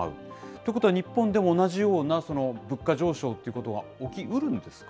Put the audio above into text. ということは、日本でも同じような物価上昇っていうことは起きうるんですか。